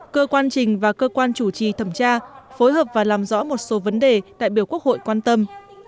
cơ quan trình và cơ quan chủ trì thẩm tra phối hợp và làm rõ một số vấn đề đại biểu quốc hội quan tâm